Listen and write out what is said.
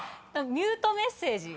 「ミュートメッセージ」